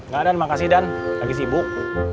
gak ada mak makasih dan lagi sibuk